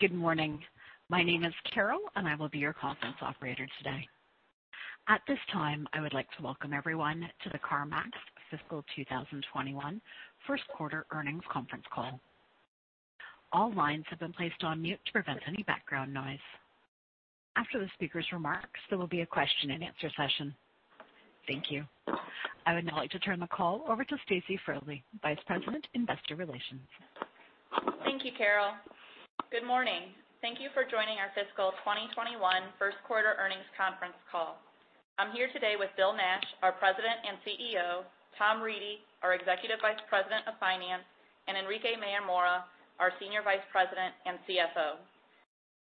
Good morning. My name is Carol, and I will be your conference operator today. At this time, I would like to welcome everyone to the CarMax Fiscal 2021 First Quarter Earnings Conference call. All lines have been placed on mute to prevent any background noise. After the speaker's remarks, there will be a question and answer session. Thank you. I would now like to turn the call over to Stacy Frole, Vice President, Investor Relations. Thank you, Carol. Good morning. Thank you for joining our fiscal 2021 first quarter earnings conference call. I'm here today with Bill Nash, our President and CEO, Tom Reedy, our Executive Vice President of Finance, and Enrique Mayor-Mora, our Senior Vice President and CFO.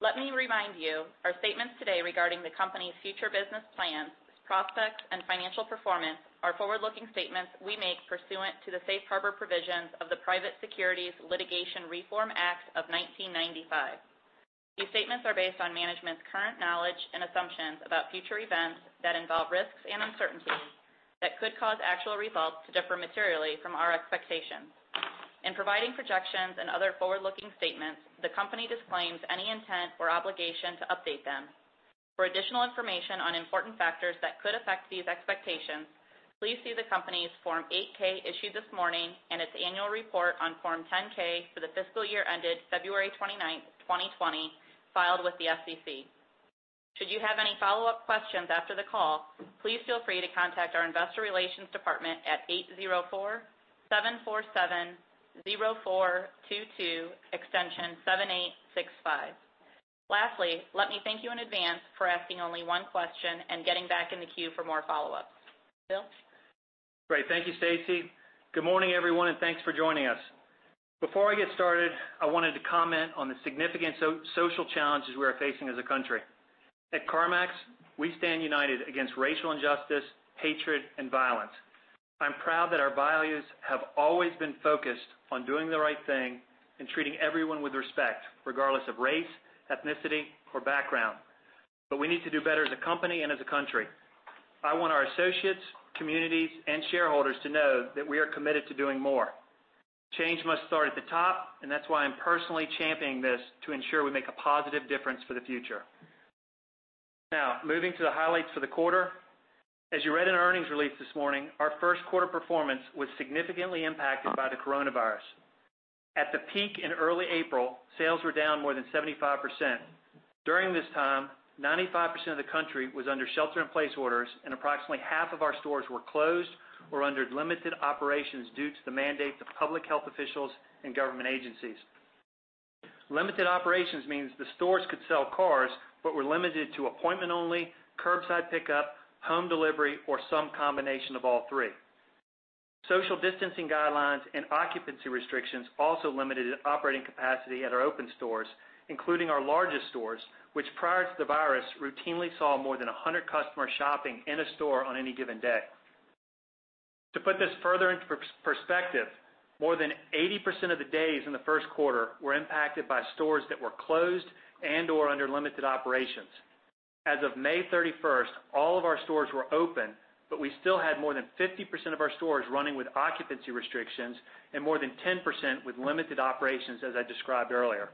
Let me remind you, our statements today regarding the company's future business plans, prospects and financial performance are forward-looking statements we make pursuant to the safe harbor provisions of the Private Securities Litigation Reform Act of 1995. These statements are based on management's current knowledge and assumptions about future events that involve risks and uncertainties that could cause actual results to differ materially from our expectations. In providing projections and other forward-looking statements, the company disclaims any intent or obligation to update them. For additional information on important factors that could affect these expectations, please see the company's Form 8-K issued this morning and its annual report on Form 10-K for the fiscal year ended February 29th, 2020, filed with the SEC. Should you have any follow-up questions after the call, please feel free to contact our investor relations department at 804-747-0422, extension 7865. Lastly, let me thank you in advance for asking only one question and getting back in the queue for more follow-ups. Bill? Great. Thank you, Stacy. Good morning, everyone, and thanks for joining us. Before I get started, I wanted to comment on the significant social challenges we are facing as a country. At CarMax, we stand united against racial injustice, hatred, and violence. I'm proud that our values have always been focused on doing the right thing and treating everyone with respect, regardless of race, ethnicity, or background. We need to do better as a company and as a country. I want our associates, communities, and shareholders to know that we are committed to doing more. Change must start at the top, and that's why I'm personally championing this to ensure we make a positive difference for the future. Now, moving to the highlights for the quarter. As you read in our earnings release this morning, our first quarter performance was significantly impacted by the coronavirus. At the peak in early April, sales were down more than 75%. During this time, 95% of the country was under shelter in place orders, and approximately half of our stores were closed or under limited operations due to the mandate of public health officials and government agencies. Limited operations means the stores could sell cars but were limited to appointment only, curbside pickup, home delivery, or some combination of all three. Social distancing guidelines and occupancy restrictions also limited operating capacity at our open stores, including our largest stores, which prior to the virus, routinely saw more than 100 customers shopping in a store on any given day. To put this further into perspective, more than 80% of the days in the first quarter were impacted by stores that were closed and/or under limited operations. As of May 31st, all of our stores were open, but we still had more than 50% of our stores running with occupancy restrictions and more than 10% with limited operations, as I described earlier.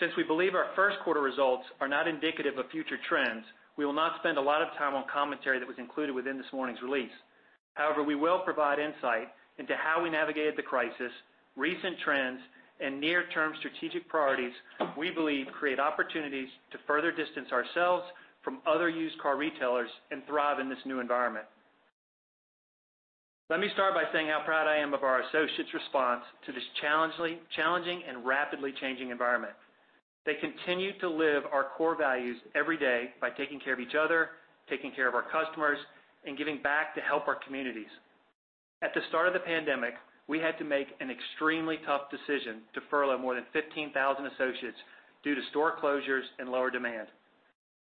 Since we believe our first quarter results are not indicative of future trends, we will not spend a lot of time on commentary that was included within this morning's release. However, we will provide insight into how we navigated the crisis, recent trends, and near-term strategic priorities we believe create opportunities to further distance ourselves from other used car retailers and thrive in this new environment. Let me start by saying how proud I am of our associates' response to this challenging and rapidly changing environment. They continue to live our core values every day by taking care of each other, taking care of our customers, and giving back to help our communities. At the start of the pandemic, we had to make an extremely tough decision to furlough more than 15,000 associates due to store closures and lower demand.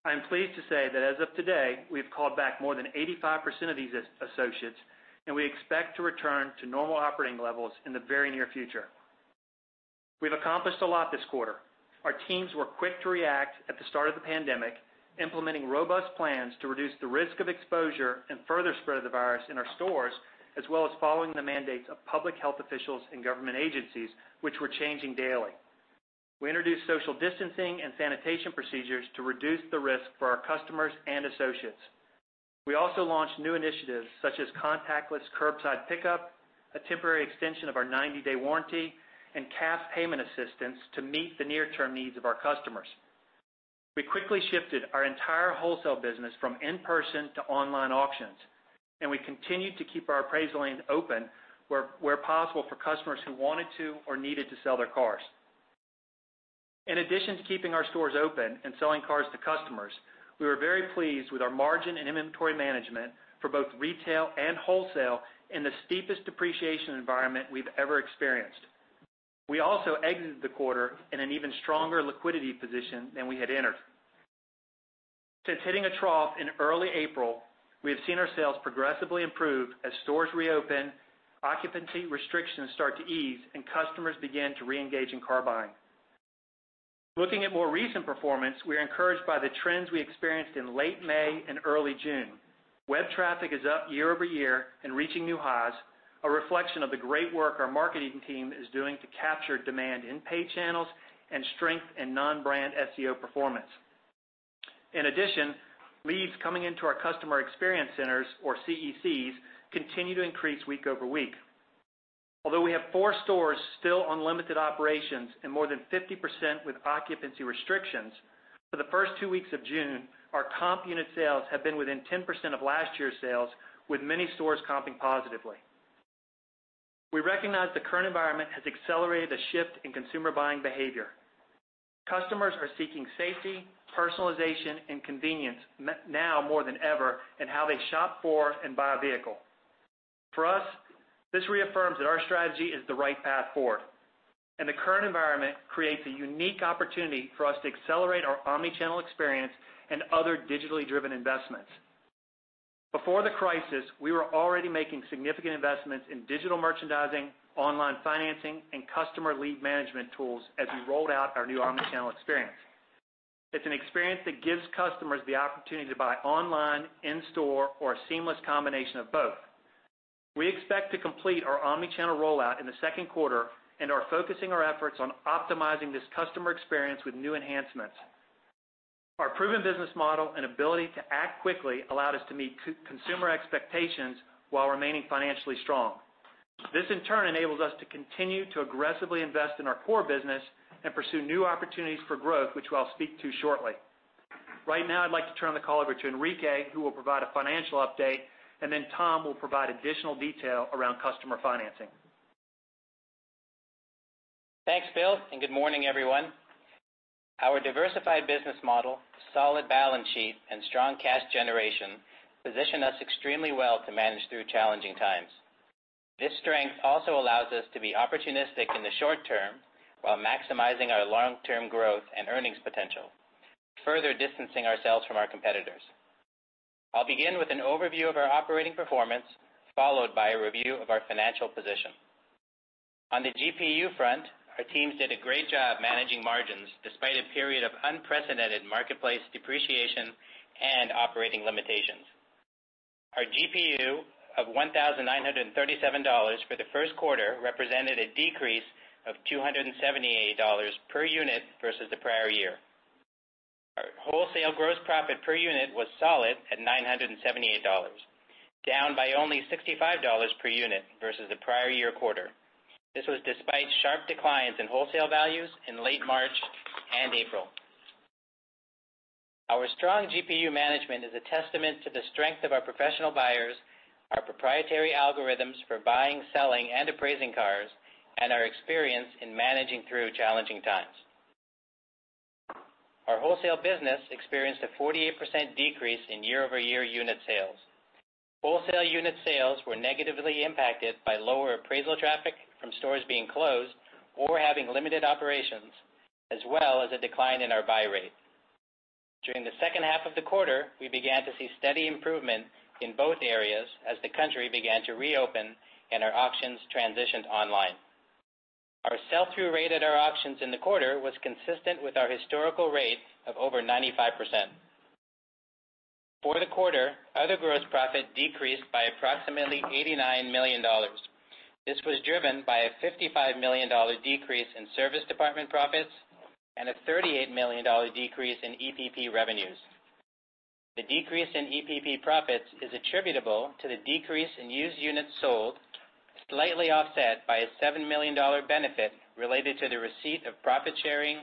I am pleased to say that as of today, we've called back more than 85% of these associates, and we expect to return to normal operating levels in the very near future. We've accomplished a lot this quarter. Our teams were quick to react at the start of the pandemic, implementing robust plans to reduce the risk of exposure and further spread of the virus in our stores, as well as following the mandates of public health officials and government agencies, which were changing daily. We introduced social distancing and sanitation procedures to reduce the risk for our customers and associates. We also launched new initiatives such as contactless curbside pickup, a temporary extension of our 90-day warranty, and cash payment assistance to meet the near-term needs of our customers. We quickly shifted our entire wholesale business from in-person to online auctions, and we continued to keep our appraisal lanes open where possible for customers who wanted to or needed to sell their cars. In addition to keeping our stores open and selling cars to customers, we were very pleased with our margin and inventory management for both retail and wholesale in the steepest depreciation environment we've ever experienced. We also exited the quarter in an even stronger liquidity position than we had entered. Since hitting a trough in early April, we have seen our sales progressively improve as stores reopen, occupancy restrictions start to ease, and customers begin to reengage in car buying. Looking at more recent performance, we are encouraged by the trends we experienced in late May and early June. Web traffic is up year-over-year and reaching new highs, a reflection of the great work our marketing team is doing to capture demand in paid channels and strength in non-brand SEO performance. In addition, leads coming into our customer experience centers, or CECs, continue to increase week-over-week. Although we have four stores still on limited operations and more than 50% with occupancy restrictions, for the first two weeks of June, our comp unit sales have been within 10% of last year's sales, with many stores comping positively. We recognize the current environment has accelerated the shift in consumer buying behavior. Customers are seeking safety, personalization, and convenience now more than ever in how they shop for and buy a vehicle. For us, this reaffirms that our strategy is the right path forward, and the current environment creates a unique opportunity for us to accelerate our omni-channel experience and other digitally driven investments. Before the crisis, we were already making significant investments in digital merchandising, online financing, and customer lead management tools as we rolled out our new omni-channel experience. It's an experience that gives customers the opportunity to buy online, in-store, or a seamless combination of both. We expect to complete our omni-channel rollout in the second quarter and are focusing our efforts on optimizing this customer experience with new enhancements. Our proven business model and ability to act quickly allowed us to meet consumer expectations while remaining financially strong. This, in turn, enables us to continue to aggressively invest in our core business and pursue new opportunities for growth, which I'll speak to shortly. Right now, I'd like to turn the call over to Enrique, who will provide a financial update, and then Tom will provide additional detail around customer financing. Thanks, Bill, and good morning, everyone. Our diversified business model, solid balance sheet, and strong cash generation position us extremely well to manage through challenging times. This strength also allows us to be opportunistic in the short term while maximizing our long-term growth and earnings potential, further distancing ourselves from our competitors. I'll begin with an overview of our operating performance, followed by a review of our financial position. On the GPU front, our teams did a great job managing margins despite a period of unprecedented marketplace depreciation and operating limitations. Our GPU of $1,937 for the first quarter represented a decrease of $278 per unit versus the prior year. Our wholesale gross profit per unit was solid at $978, down by only $65 per unit versus the prior year quarter. This was despite sharp declines in wholesale values in late March and April. Our strong GPU management is a testament to the strength of our professional buyers, our proprietary algorithms for buying, selling, and appraising cars, and our experience in managing through challenging times. Our wholesale business experienced a 48% decrease in year-over-year unit sales. Wholesale unit sales were negatively impacted by lower appraisal traffic from stores being closed or having limited operations, as well as a decline in our buy rate. During the second half of the quarter, we began to see steady improvement in both areas as the country began to reopen and our auctions transitioned online. Our sell-through rate at our auctions in the quarter was consistent with our historical rate of over 95%. For the quarter, other gross profit decreased by approximately $89 million. This was driven by a $55 million decrease in service department profits and a $38 million decrease in EPP revenues. The decrease in EPP profits is attributable to the decrease in used units sold, slightly offset by a $7 million benefit related to the receipt of profit sharing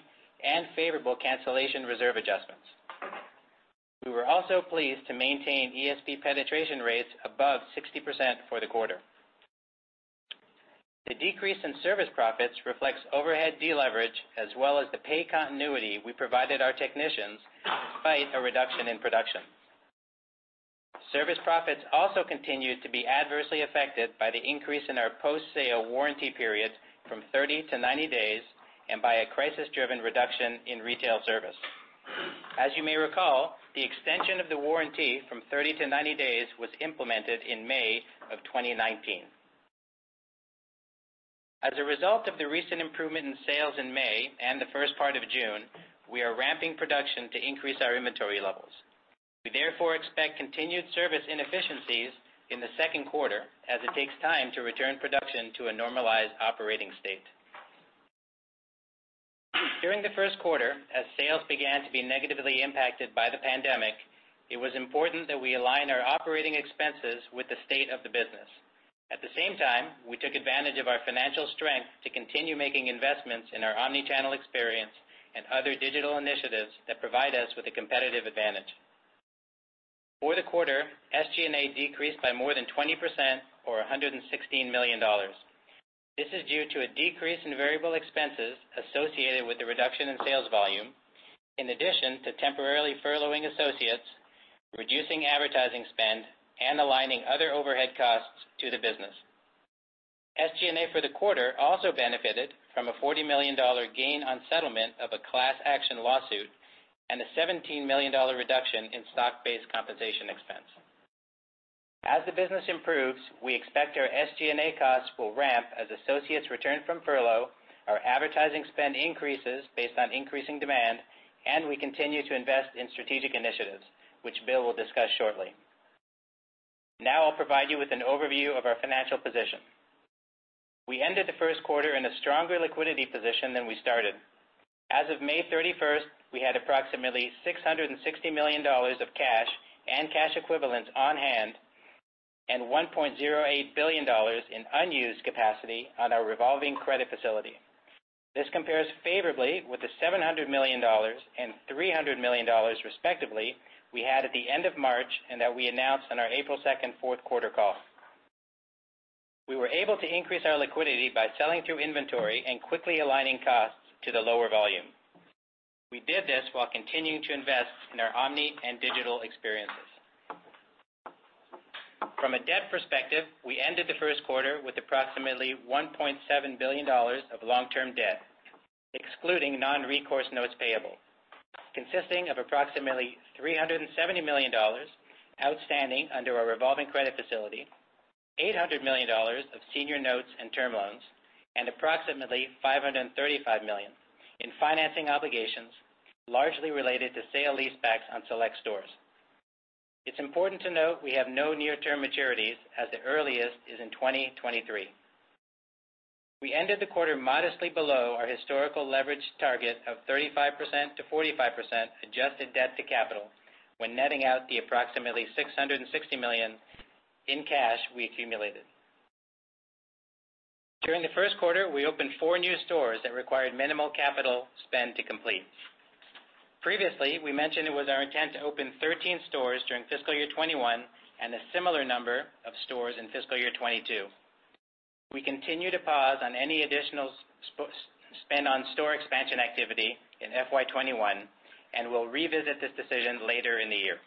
and favorable cancellation reserve adjustments. We were also pleased to maintain ESP penetration rates above 60% for the quarter. The decrease in service profits reflects overhead deleverage as well as the pay continuity we provided our technicians despite a reduction in production. Service profits also continued to be adversely affected by the increase in our post-sale warranty period from 30-90 days and by a crisis-driven reduction in retail service. As you may recall, the extension of the warranty from 30-90 days was implemented in May of 2019. As a result of the recent improvement in sales in May and the first part of June, we are ramping production to increase our inventory levels. We therefore expect continued service inefficiencies in the second quarter as it takes time to return production to a normalized operating state. During the first quarter, as sales began to be negatively impacted by the pandemic, it was important that we align our operating expenses with the state of the business. At the same time, we took advantage of our financial strength to continue making investments in our omni-channel experience and other digital initiatives that provide us with a competitive advantage. For the quarter, SG&A decreased by more than 20%, or $116 million. This is due to a decrease in variable expenses associated with the reduction in sales volume, in addition to temporarily furloughing associates, reducing advertising spend, and aligning other overhead costs to the business. SG&A for the quarter also benefited from a $40 million gain on settlement of a class action lawsuit and a $17 million reduction in stock-based compensation expense. As the business improves, we expect our SG&A costs will ramp as associates return from furlough, our advertising spend increases based on increasing demand, and we continue to invest in strategic initiatives, which Bill will discuss shortly. Now I'll provide you with an overview of our financial position. We ended the first quarter in a stronger liquidity position than we started. As of May 31st, we had approximately $660 million of cash and cash equivalents on hand, and $1.08 billion in unused capacity on our revolving credit facility. This compares favorably with the $700 million and $300 million respectively, we had at the end of March and that we announced on our April 2nd fourth quarter call. We were able to increase our liquidity by selling through inventory and quickly aligning costs to the lower volume. We did this while continuing to invest in our omni and digital experiences. From a debt perspective, we ended the first quarter with approximately $1.7 billion of long-term debt, excluding non-recourse notes payable, consisting of approximately $370 million outstanding under our revolving credit facility, $800 million of senior notes and term loans, and approximately $535 million in financing obligations largely related to sale leasebacks on select stores. It's important to note we have no near-term maturities, as the earliest is in 2023. We ended the quarter modestly below our historical leverage target of 35%-45% adjusted debt to capital, when netting out the approximately $660 million in cash we accumulated. During the first quarter, we opened four new stores that required minimal capital spend to complete. Previously, we mentioned it was our intent to open 13 stores during fiscal year 2021 and a similar number of stores in fiscal year 2022. We continue to pause on any additional spend on store expansion activity in FY2021, and will revisit this decision later in the year.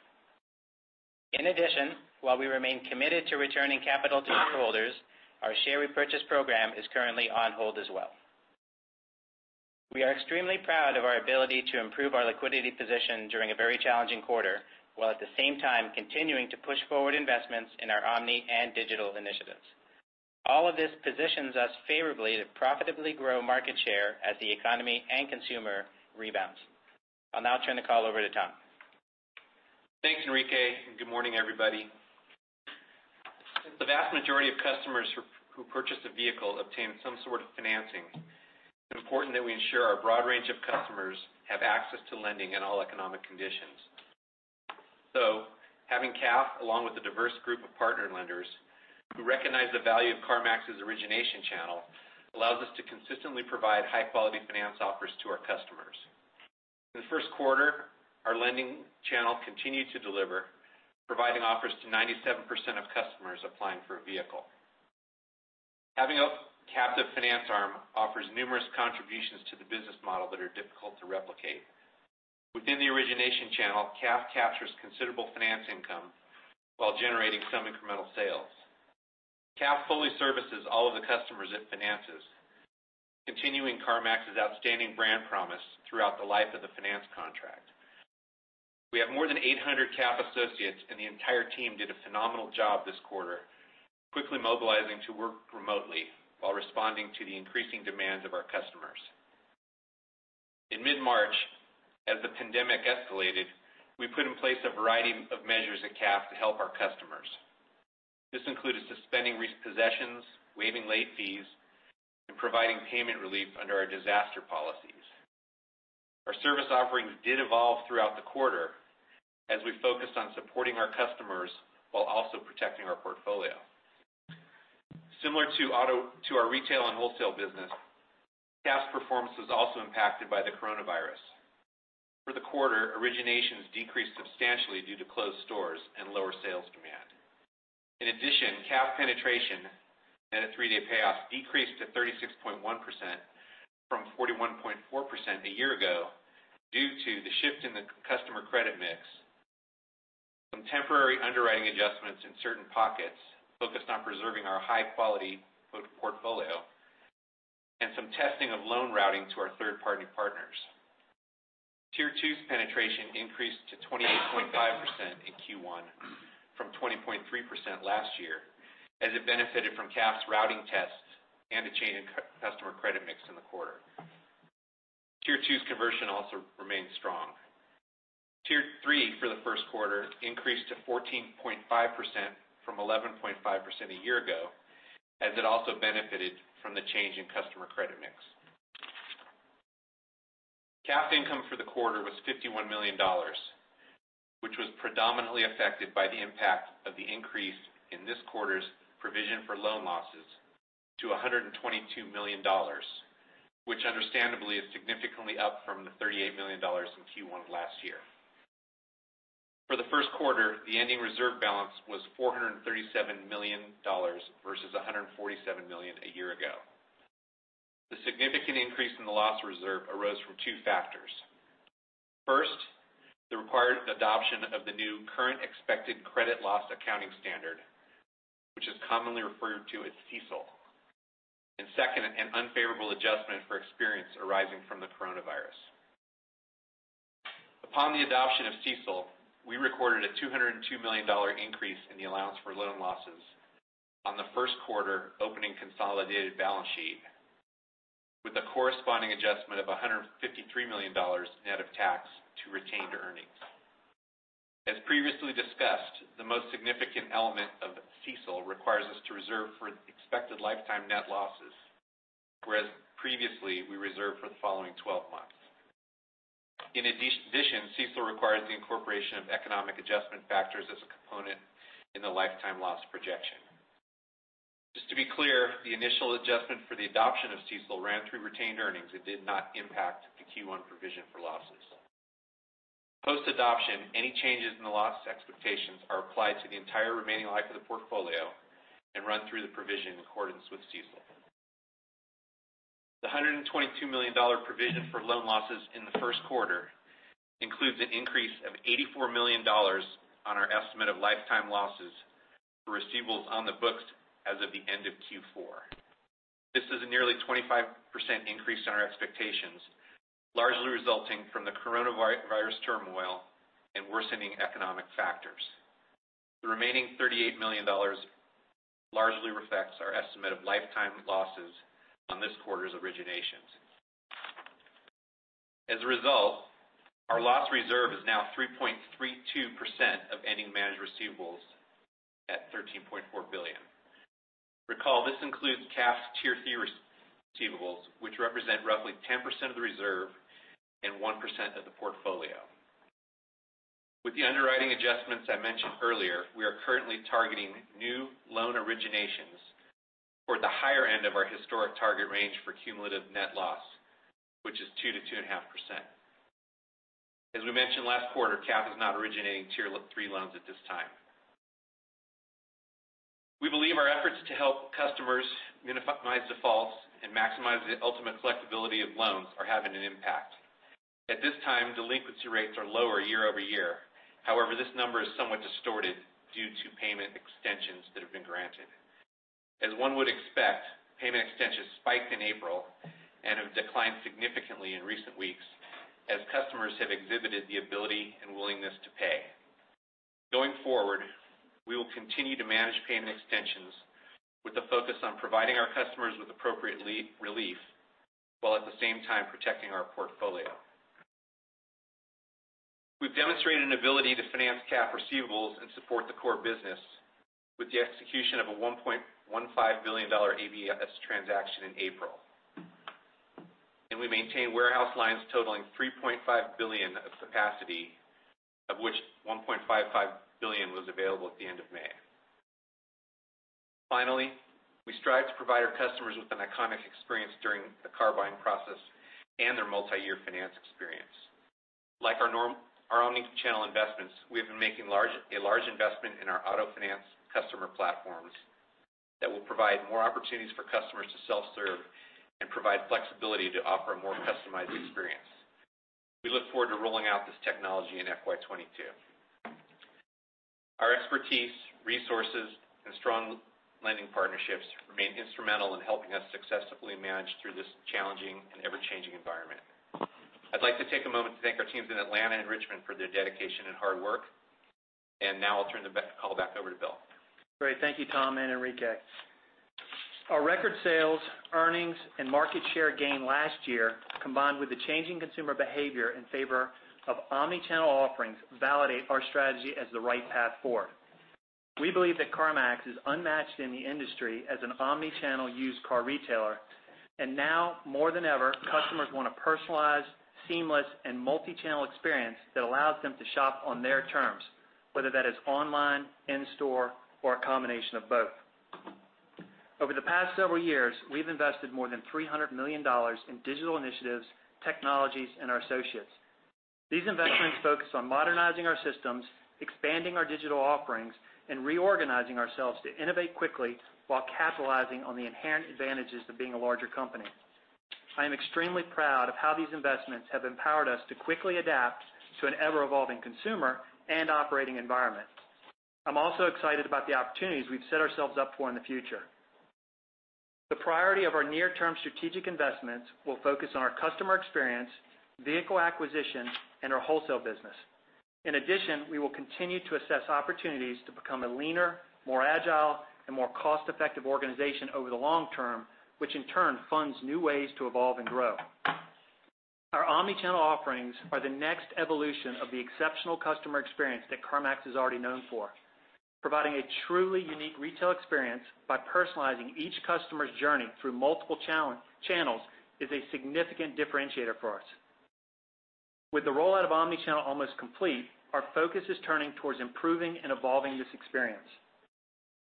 In addition, while we remain committed to returning capital to shareholders, our share repurchase program is currently on hold as well. We are extremely proud of our ability to improve our liquidity position during a very challenging quarter, while at the same time continuing to push forward investments in our omni and digital initiatives. All of this positions us favorably to profitably grow market share as the economy and consumer rebounds. I'll now turn the call over to Tom. Thanks, Enrique, and good morning, everybody. Since the vast majority of customers who purchase a vehicle obtain some sort of financing, it's important that we ensure our broad range of customers have access to lending in all economic conditions. Having CAF, along with a diverse group of partner lenders who recognize the value of CarMax's origination channel, allows us to consistently provide high-quality finance offers to our customers. In the first quarter, our lending channel continued to deliver, providing offers to 97% of customers applying for a vehicle. Having a captive finance arm offers numerous contributions to the business model that are difficult to replicate. Within the origination channel, CAF captures considerable finance income while generating some incremental sales. CAF fully services all of the customers it finances, continuing CarMax's outstanding brand promise throughout the life of the finance contract. We have more than 800 CAF associates. The entire team did a phenomenal job this quarter, quickly mobilizing to work remotely while responding to the increasing demands of our customers. In mid-March, as the pandemic escalated, we put in place a variety of measures at CAF to help our customers. This included suspending repossessions, waiving late fees, and providing payment relief under our disaster policies. Our service offerings did evolve throughout the quarter as we focused on supporting our customers while also protecting our portfolio. Similar to our retail and wholesale business, CAF's performance was also impacted by the coronavirus. For the quarter, originations decreased substantially due to closed stores and lower sales demand. In addition, CAF penetration at a three-day payoff decreased to 36.1% from 41.4% a year ago due to the shift in the customer credit mix, some temporary underwriting adjustments in certain pockets focused on preserving our high-quality portfolio, and some testing of loan routing to our third-party partners. Tier 2's penetration increased to 28.5% in Q1 from 20.3% last year, as it benefited from CAF's routing tests and a change in customer credit mix in the quarter. Tier 2's conversion also remained strong. Tier 3 for the first quarter increased to 14.5% from 11.5% a year ago, as it also benefited from the change in customer credit mix. CAF income for the quarter was $51 million, which was predominantly affected by the impact of the increase in this quarter's provision for loan losses to $122 million, which understandably is significantly up from the $38 million in Q1 of last year. For the first quarter, the ending reserve balance was $437 million versus $147 million a year ago. The significant increase in the loss reserve arose from two factors. First, the required adoption of the new Current Expected Credit Loss accounting standard, which is commonly referred to as CECL. Second, an unfavorable adjustment for experience arising from the coronavirus. Upon the adoption of CECL, we recorded a $202 million increase in the allowance for loan losses on the first quarter opening consolidated balance sheet with a corresponding adjustment of $153 million net of tax to retained earnings. As previously discussed, the most significant element of CECL requires us to reserve for expected lifetime net losses, whereas previously, we reserved for the following 12 months. In addition, CECL requires the incorporation of economic adjustment factors as a component in the lifetime loss projection. Just to be clear, the initial adjustment for the adoption of CECL ran through retained earnings. It did not impact the Q1 provision for losses. Post-adoption, any changes in the loss expectations are applied to the entire remaining life of the portfolio and run through the provision in accordance with CECL. The $122 million provision for loan losses in the first quarter includes an increase of $84 million on our estimate of lifetime losses for receivables on the books as of the end of Q4. This is a nearly 25% increase on our expectations, largely resulting from the coronavirus turmoil and worsening economic factors. The remaining $38 million largely reflects our estimate of lifetime losses on this quarter's originations. As a result, our loss reserve is now 3.32% of ending managed receivables at $13.4 billion. Recall, this includes CAF Tier 3 receivables, which represent roughly 10% of the reserve and 1% of the portfolio. With the underwriting adjustments I mentioned earlier, we are currently targeting new loan originations toward the higher end of our historic target range for cumulative net loss, which is 2%-2.5%. As we mentioned last quarter, CAF is not originating Tier 3 loans at this time. We believe our efforts to help customers minimize defaults and maximize the ultimate collectibility of loans are having an impact. At this time, delinquency rates are lower year-over-year. However, this number is somewhat distorted due to payment extensions that have been granted. As one would expect, payment extensions spiked in April and have declined significantly in recent weeks as customers have exhibited the ability and willingness to pay. Going forward, we will continue to manage payment extensions with a focus on providing our customers with appropriate relief while at the same time protecting our portfolio. We've demonstrated an ability to finance CAF receivables and support the core business with the execution of a $1.15 billion ABS transaction in April. We maintain warehouse lines totaling $3.5 billion of capacity, of which $1.55 billion was available at the end of May. Finally, we strive to provide our customers with an iconic experience during the car buying process and their multi-year finance experience. Like our omnichannel investments, we have been making a large investment in our auto finance customer platforms that will provide more opportunities for customers to self-serve and provide flexibility to offer a more customized experience. We look forward to rolling out this technology in FY2022. Our expertise, resources, and strong lending partnerships remain instrumental in helping us successfully manage through this challenging and ever-changing environment. I'd like to take a moment to thank our teams in Atlanta and Richmond for their dedication and hard work. Now I'll turn the call back over to Bill. Great. Thank you, Tom and Enrique. Our record sales, earnings, and market share gain last year, combined with the changing consumer behavior in favor of omnichannel offerings, validate our strategy as the right path forward. We believe that CarMax is unmatched in the industry as an omnichannel used car retailer. Now more than ever, customers want a personalized, seamless, and multi-channel experience that allows them to shop on their terms, whether that is online, in-store, or a combination of both. Over the past several years, we've invested more than $300 million in digital initiatives, technologies, and our associates. These investments focus on modernizing our systems, expanding our digital offerings, and reorganizing ourselves to innovate quickly while capitalizing on the inherent advantages of being a larger company. I am extremely proud of how these investments have empowered us to quickly adapt to an ever-evolving consumer and operating environment. I'm also excited about the opportunities we've set ourselves up for in the future. The priority of our near-term strategic investments will focus on our customer experience, vehicle acquisition, and our wholesale business. In addition, we will continue to assess opportunities to become a leaner, more agile, and more cost-effective organization over the long term, which in turn funds new ways to evolve and grow. Our omnichannel offerings are the next evolution of the exceptional customer experience that CarMax is already known for. Providing a truly unique retail experience by personalizing each customer's journey through multiple channels is a significant differentiator for us. With the rollout of omnichannel almost complete, our focus is turning towards improving and evolving this experience.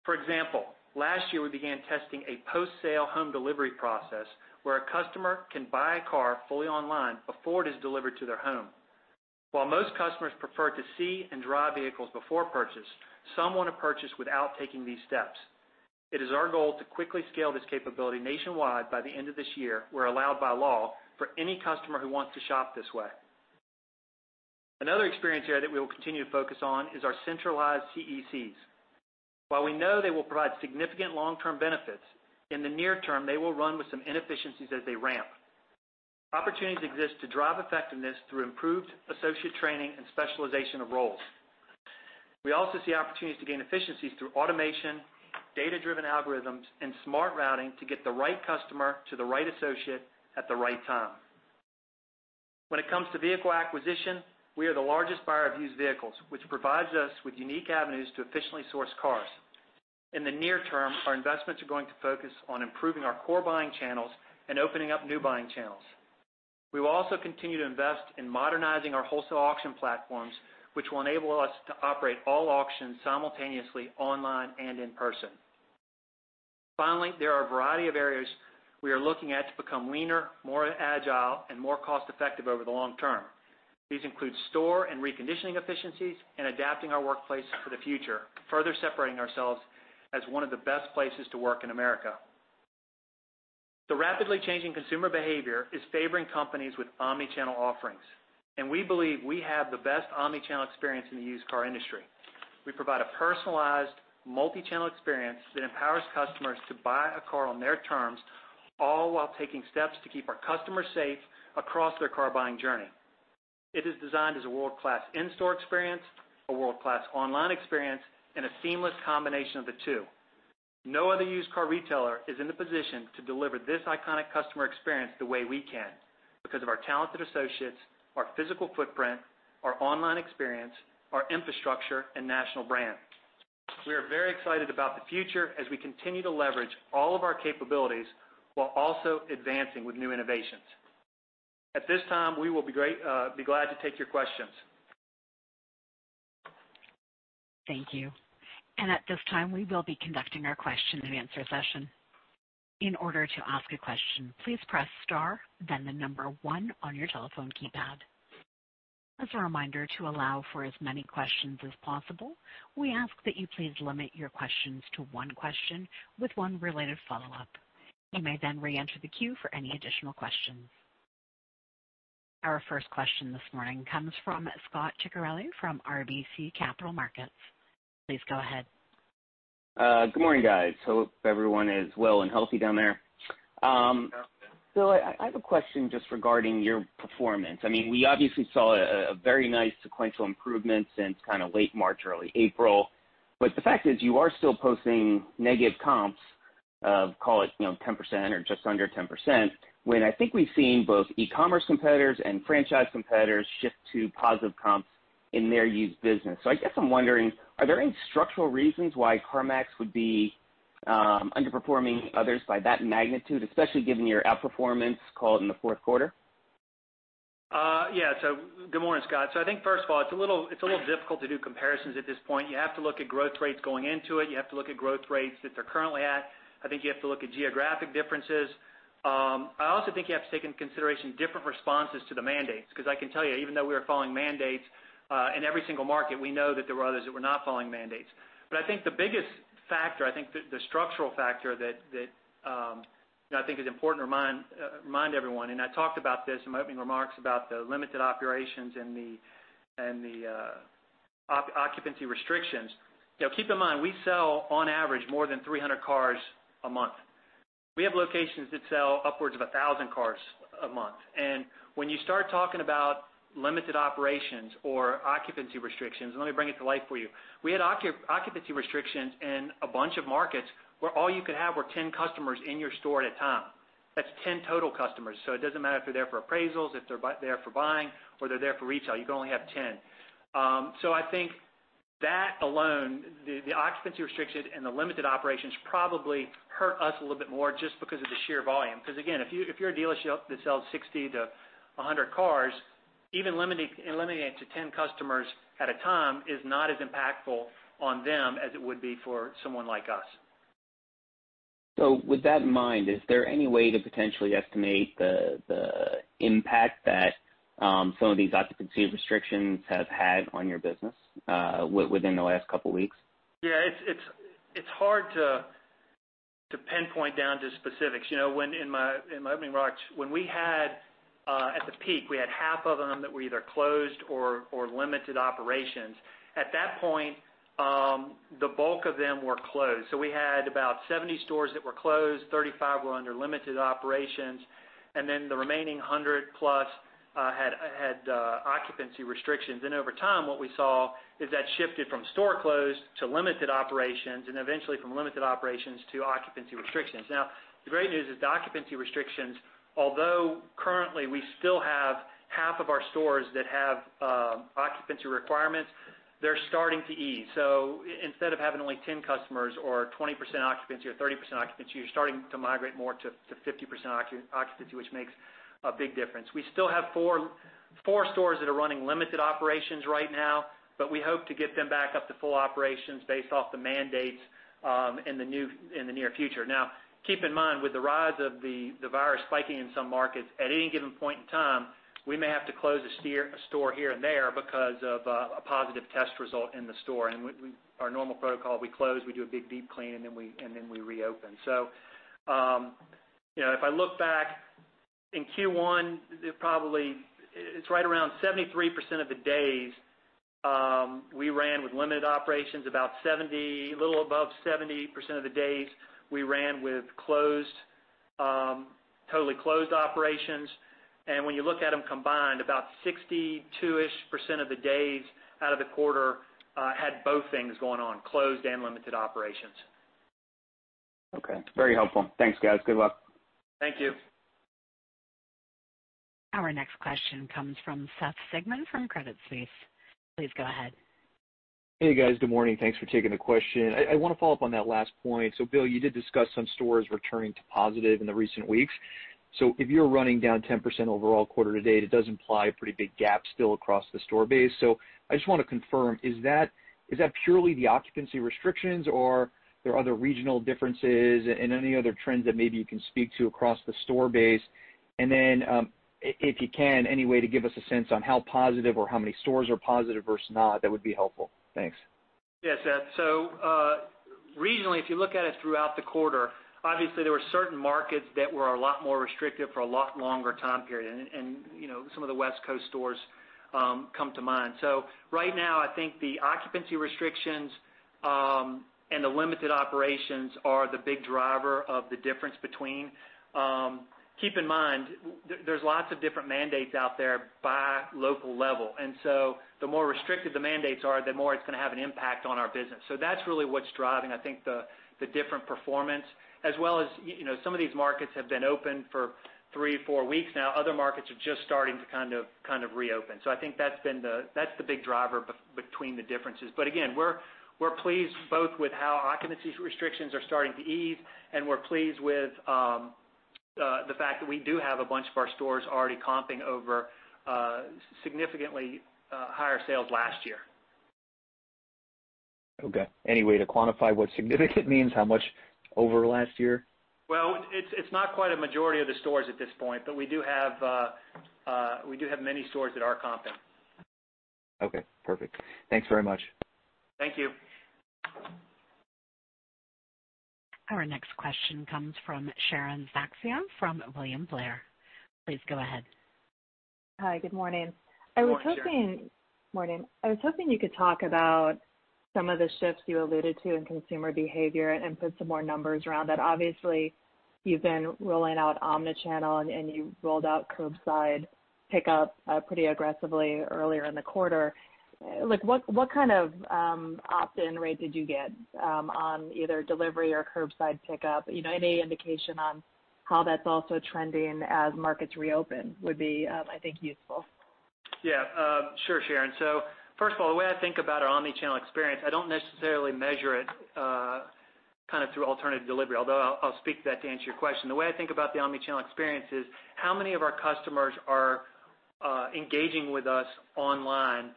For example, last year, we began testing a post-sale home delivery process where a customer can buy a car fully online before it is delivered to their home. While most customers prefer to see and drive vehicles before purchase, some want to purchase without taking these steps. It is our goal to quickly scale this capability nationwide by the end of this year, where allowed by law, for any customer who wants to shop this way. Another experience area that we will continue to focus on is our centralized CECs. While we know they will provide significant long-term benefits, in the near term, they will run with some inefficiencies as they ramp. Opportunities exist to drive effectiveness through improved associate training and specialization of roles. We also see opportunities to gain efficiencies through automation, data-driven algorithms, and smart routing to get the right customer to the right associate at the right time. When it comes to vehicle acquisition, we are the largest buyer of used vehicles, which provides us with unique avenues to efficiently source cars. In the near term, our investments are going to focus on improving our core buying channels and opening up new buying channels. We will also continue to invest in modernizing our wholesale auction platforms, which will enable us to operate all auctions simultaneously online and in person. Finally, there are a variety of areas we are looking at to become leaner, more agile, and more cost-effective over the long term. These include store and reconditioning efficiencies and adapting our workplace for the future, further separating ourselves as one of the best places to work in America. The rapidly changing consumer behavior is favoring companies with omni-channel offerings, and we believe we have the best omni-channel experience in the used car industry. We provide a personalized multi-channel experience that empowers customers to buy a car on their terms, all while taking steps to keep our customers safe across their car-buying journey. It is designed as a world-class in-store experience, a world-class online experience, and a seamless combination of the two. No other used car retailer is in the position to deliver this iconic customer experience the way we can because of our talented associates, our physical footprint, our online experience, our infrastructure, and national brand. We are very excited about the future as we continue to leverage all of our capabilities while also advancing with new innovations. At this time, we will be glad to take your questions. Thank you. At this time, we will be conducting our question-and-answer session. In order to ask a question, please press star then the number one on your telephone keypad. As a reminder, to allow for as many questions as possible, we ask that you please limit your questions to one question with one related follow-up. You may then reenter the queue for any additional questions. Our first question this morning comes from Scot Ciccarelli from RBC Capital Markets. Please go ahead. Good morning, guys. Hope everyone is well and healthy down there. Yeah. Bill, I have a question just regarding your performance. We obviously saw a very nice sequential improvement since kind of late March, early April. The fact is you are still posting negative comps of, call it, 10% or just under 10%, when I think we've seen both e-commerce competitors and franchise competitors shift to positive comps in their used business. I guess I'm wondering, are there any structural reasons why CarMax would be underperforming others by that magnitude, especially given your outperformance, call it, in the fourth quarter? Yeah. Good morning, Scot. I think first of all, it's a little, it's little difficult to do comparisons at this point. You have to look at growth rates going into it. You have to look at growth rates that they're currently at. I think you have to look at geographic differences. I also think you have to take into consideration different responses to the mandates, because I can tell you, even though we were following mandates in every single market, we know that there were others that were not following mandates. I think the biggest factor, I think the structural factor that I think is important to remind everyone, and I talked about this in my opening remarks about the limited operations and the occupancy restrictions. Keep in mind, we sell on average more than 300 cars a month. We have locations that sell upwards of 1,000 cars a month. When you start talking about limited operations or occupancy restrictions, let me bring it to life for you. We had occupancy restrictions in a bunch of markets where all you could have were 10 customers in your store at a time. That's 10 total customers. It doesn't matter if they're there for appraisals, if they're there for buying, or they're there for retail. You can only have 10. I think that alone, the occupancy restrictions and the limited operations probably hurt us a little bit more just because of the sheer volume. Again, if you're a dealership that sells 60 to 100 cars, even limiting it to 10 customers at a time is not as impactful on them as it would be for someone like us. With that in mind, is there any way to potentially estimate the impact that some of these occupancy restrictions have had on your business within the last couple of weeks? Yeah. It's hard to pinpoint down to specifics. In my opening remarks, when we had, at the peak, we had half of them that we either closed or limited operations. At that point, the bulk of them were closed. We had about 70 stores that were closed, 35 were under limited operations, the remaining 100-plus had occupancy restrictions. Over time, what we saw is that shifted from store closed to limited operations, eventually from limited operations to occupancy restrictions. Now, the great news is the occupancy restrictions, although currently we still have half of our stores that have occupancy requirements, they're starting to ease. Instead of having only 10 customers or 20% occupancy or 30% occupancy, you're starting to migrate more to 50% occupancy, which makes a big difference. We still have four stores that are running limited operations right now, but we hope to get them back up to full operations based off the mandates in the near future. Now, keep in mind, with the rise of the virus spiking in some markets, at any given point in time, we may have to close a store here and there because of a positive test result in the store. Our normal protocol, we close, we do a big deep clean, and then we reopen. If I look back in Q1, probably, it's right around 73% of the days we ran with limited operations. About a little above 70% of the days we ran with closed, totally closed operations. When you look at them combined, about 62%-ish of the days out of the quarter had both things going on, closed and limited operations. Okay. Very helpful. Thanks, guys. Good luck. Thank you. Our next question comes from Seth Sigman from Credit Suisse. Please go ahead. Hey, guys. Good morning. Thanks for taking the question. I want to follow up on that last point. Bill, you did discuss some stores returning to positive in the recent weeks. If you're running down 10% overall quarter to date, it does imply a pretty big gap still across the store base. I just want to confirm, is that purely the occupancy restrictions or there are other regional differences and any other trends that maybe you can speak to across the store base? Then, if you can, any way to give us a sense on how positive or how many stores are positive versus not, that would be helpful. Thanks. Yeah, Seth. Regionally, if you look at us throughout the quarter, obviously there were certain markets that were a lot more restrictive for a lot longer time period. Some of the West Coast stores come to mind. Right now, I think the occupancy restrictions and the limited operations are the big driver of the difference between. Keep in mind, there's lots of different mandates out there by local level. The more restricted the mandates are, the more it's going to have an impact on our business. That's really what's driving, I think, the different performance, as well as some of these markets have been open for three, four weeks now. Other markets are just starting to kind of reopen. I think that's the big driver between the differences. Again, we're pleased both with how occupancy restrictions are starting to ease, and we're pleased with the fact that we do have a bunch of our stores already comping over significantly higher sales last year. Okay. Any way to quantify what significant means? How much over last year? Well, it's not quite a majority of the stores at this point, but we do have many stores that are comping. Okay, perfect. Thanks very much. Thank you. Our next question comes from Sharon Zackfia from William Blair. Please go ahead. Hi. Good morning. Good morning, Sharon. Morning. I was hoping you could talk about some of the shifts you alluded to in consumer behavior and put some more numbers around that. Obviously, you've been rolling out omnichannel, and you rolled out curbside pickup pretty aggressively earlier in the quarter. What kind of opt-in rate did you get on either delivery or curbside pickup? Any indication on how that's also trending as markets reopen would be, I think, useful. Yeah. Sure, Sharon. First of all, the way I think about our omnichannel experience, I don't necessarily measure it, kind of through alternative delivery, although I'll speak to that to answer your question. The way I think about the omnichannel experience is how many of our customers are engaging with us online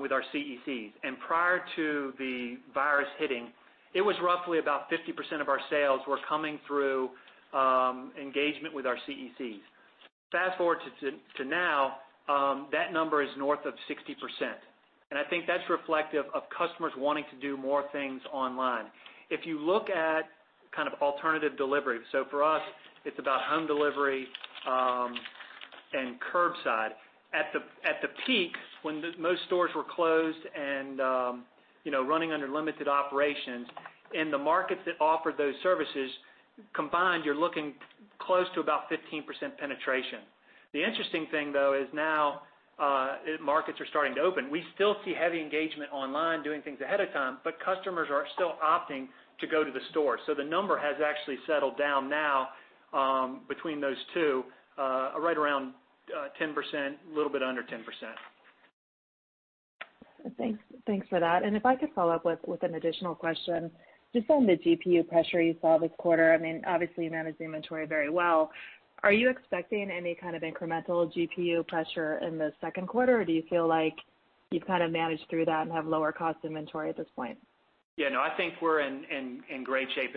with our CECs. Prior to the virus hitting, it was roughly about 50% of our sales were coming through engagement with our CECs. Fast-forward to now, that number is north of 60%. I think that's reflective of customers wanting to do more things online. If you look at kind of alternative delivery, so for us, it's about home delivery and curbside. At the peak, when most stores were closed and running under limited operations, in the markets that offered those services, combined, you're looking close to about 15% penetration. The interesting thing, though, is now markets are starting to open. We still see heavy engagement online, doing things ahead of time, but customers are still opting to go to the store. The number has actually settled down now between those two, right around 10%, a little bit under 10%. Thanks for that. If I could follow up with an additional question, just on the GPU pressure you saw this quarter, obviously you managed the inventory very well. Are you expecting any kind of incremental GPU pressure in the second quarter, or do you feel like you've kind of managed through that and have lower cost inventory at this point? Yeah, no, I think we're in great shape.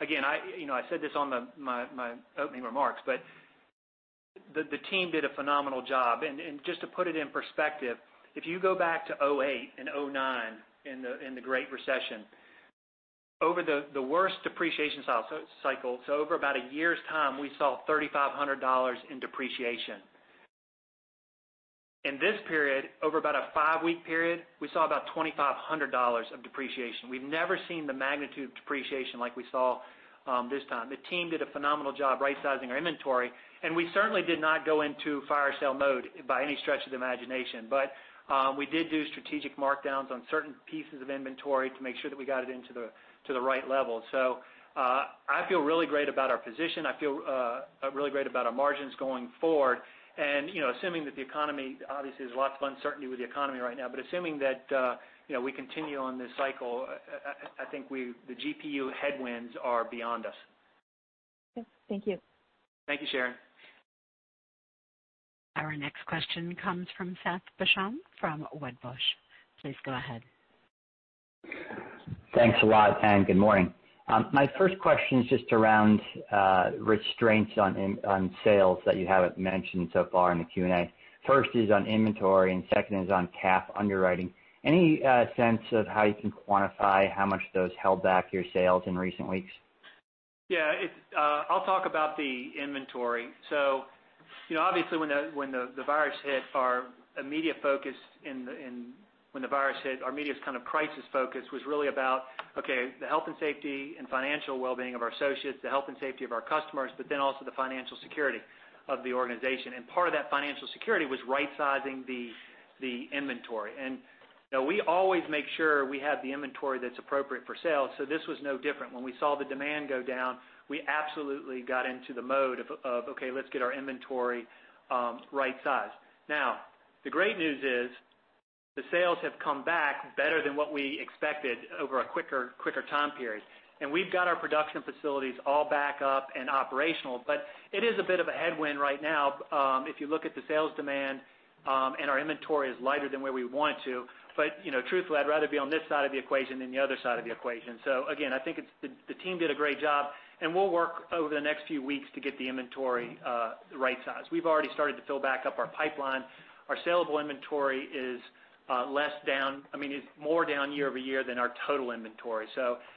Again, I said this on my opening remarks, but the team did a phenomenal job. Just to put it in perspective, if you go back to 2008 and 2009 in the great recession, over the worst depreciation cycle, so over about a year's time, we saw $3,500 in depreciation. In this period, over about a five-week period, we saw about $2,500 of depreciation. We've never seen the magnitude of depreciation like we saw this time. The team did a phenomenal job rightsizing our inventory, and we certainly did not go into fire sale mode by any stretch of the imagination. We did do strategic markdowns on certain pieces of inventory to make sure that we got it into the right level. I feel really great about our position. I feel really great about our margins going forward. Assuming that the economy, obviously, there's lots of uncertainty with the economy right now, but assuming that we continue on this cycle, I think the GPU headwinds are beyond us. Okay. Thank you. Thank you, Sharon. Our next question comes from Seth Basham from Wedbush. Please go ahead. Thanks a lot. Good morning. My first question is just around restraints on sales that you haven't mentioned so far in the Q&A. First is on inventory. Second is on CAF underwriting. Any sense of how you can quantify how much those held back your sales in recent weeks? Yeah. I'll talk about the inventory. Obviously, when the virus hit, our immediate focus in, when the virus hit, our immediate kind of crisis focus was really about, okay, the health and safety and financial well-being of our associates, the health and safety of our customers, also the financial security of the organization. Part of that financial security was right-sizing the inventory. We always make sure we have the inventory that's appropriate for sale, this was no different. When we saw the demand go down, we absolutely got into the mode of, okay, let's get our inventory right-sized. Now, the great news is the sales have come back better than what we expected over a quicker time period. We've got our production facilities all back up and operational. It is a bit of a headwind right now, if you look at the sales demand, and our inventory is lighter than where we want to. Truthfully, I'd rather be on this side of the equation than the other side of the equation. Again, I think the team did a great job, and we'll work over the next few weeks to get the inventory the right size. We've already started to fill back up our pipeline. Our saleable inventory is less down, I mean, more down year-over-year than our total inventory.